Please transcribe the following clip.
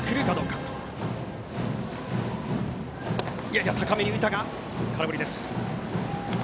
やや高めに浮いたが空振りです。